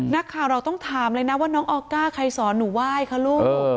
นักข่าวเราต้องถามเลยนะว่าน้องออก้าใครสอนหนูไหว้คะลูก